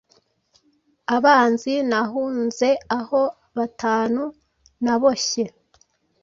Abanzi nahunzeaho batanu naboshye